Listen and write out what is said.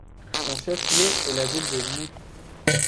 Son chef-lieu est la ville de Nuh.